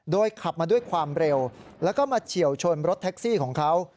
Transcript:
ขับมาด้วยความเร็วแล้วก็มาเฉียวชนรถแท็กซี่ของเขา